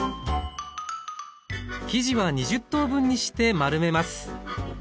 生地は２０等分にして丸めます。